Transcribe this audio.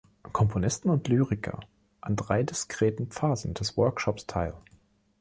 Komponisten und Lyriker an drei diskreten Phasen des Workshops teil.